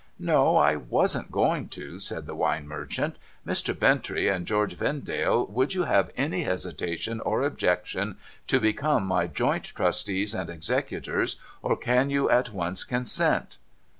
' No ; I wasn't going to,' said the wine merchant. ' Mr. Bintrey and George Vendale, would you have any hesitation or ohjection to become my joint trustees and executors, or can you at once consent